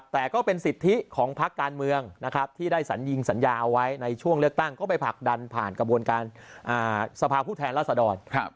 แต่ก็เป็นสิทธิของพักการเมืองนะครับที่ได้สัญญิงสัญญาเอาไว้ในช่วงเลือกตั้งก็ไปผลักดันผ่านกระบวนการสภาพผู้แทนรัศดร